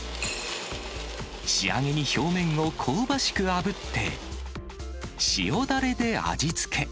仕上げに表面を香ばしくあぶって、塩だれで味付け。